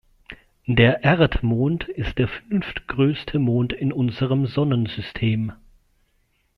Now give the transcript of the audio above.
Der Erdmond ist der fünftgrößte Mond in unserem Sonnensystem.